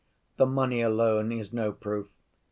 "The money alone is no proof.